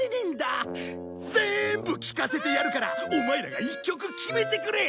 ぜんぶ聴かせてやるからオマエらが１曲決めてくれ！